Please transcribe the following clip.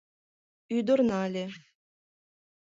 Ӱдыр нале.